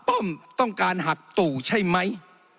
ป้อมต้องการหักตู่ใช่ไหม